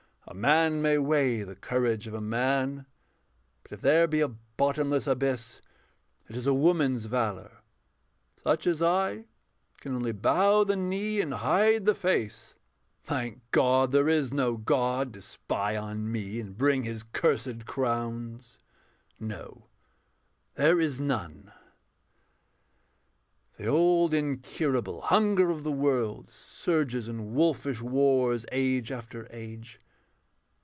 A man may weigh the courage of a man, But if there be a bottomless abyss It is a woman's valour: such as I Can only bow the knee and hide the face (Thank God there is no God to spy on me And bring his curséd crowns). No, there is none: The old incurable hunger of the world Surges in wolfish wars, age after age.